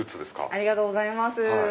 ありがとうございます。